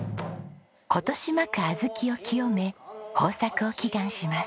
今年まく小豆を清め豊作を祈願します。